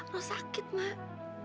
ruh sakit mak